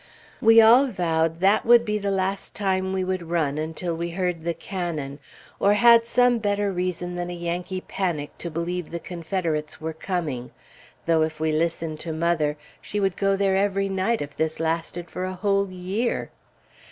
We all vowed that would be the last time we would run until we heard the cannon, or had some better reason than a Yankee panic to believe the Confederates were coming; though if we listened to mother, she would go there every night if this lasted for a whole year.